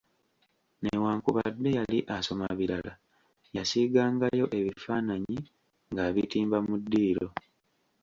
Newankubadde yali asoma birala, yasiigangayo ebifaananyi ng’abitimba mu ddiiro.